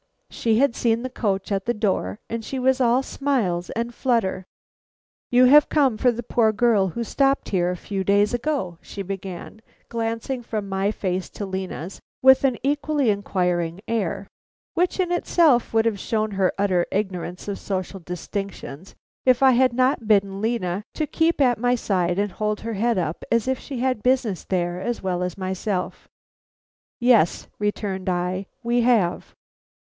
She had seen the coach at the door, and she was all smiles and flutter. "You have come for the poor girl who stopped here a few days ago," she began, glancing from my face to Lena's with an equally inquiring air, which in itself would have shown her utter ignorance of social distinctions if I had not bidden Lena to keep at my side and hold her head up as if she had business there as well as myself. "Yes," returned I, "we have.